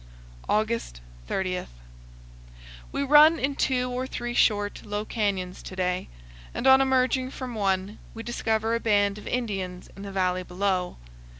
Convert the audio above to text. August 30. We run in two or three short, low canyons to day, and on emerging from one we discover a band of Indians in the valley below.